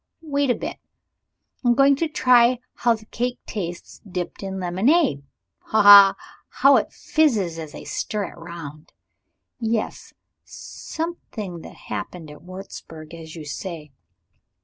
Wait a bit. I'm going to try how the cake tastes dipped in lemonade. Ha! ha! how it fizzes as I stir it round! Yes; something that happened at Wurzburg, as you say.